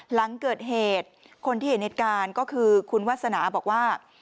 หลังเกิดเหตุคนที่เห็นเหตุการณ์ก็คือคุณวาสนาบอกว่า